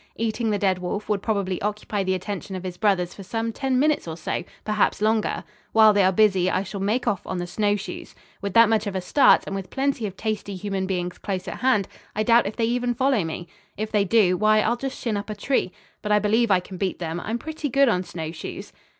Eating the dead wolf would probably occupy the attention of his brothers for some ten minutes or so perhaps longer. While they are busy I shall make off on the snowshoes. With that much of a start, and with plenty of tasty human beings close at hand, I doubt if they even follow me. If they do, why I'll just shin up a tree. But I believe I can beat them. I'm pretty good on snowshoes."